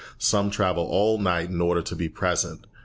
Some travel all night in order to be present.